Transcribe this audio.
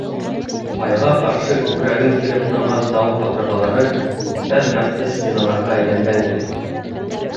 Айға ҡаршы күкрәген киреп торған тау ҡабырғалары күптән яҡты стеналарға әйләнгән ине.